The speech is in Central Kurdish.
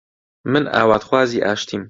من ئاواتخوازی ئاشتیم